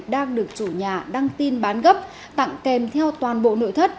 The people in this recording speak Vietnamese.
đang được chủ nhà đăng tin bán gấp tặng kèm theo toàn bộ nội thất